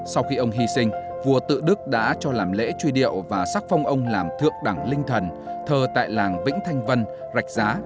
sau khi ông hy sinh vua tự đức đã cho làm lễ truy điệu và sắc phong ông làm thượng đẳng linh thần thờ tại làng vĩnh thanh vân rạch giá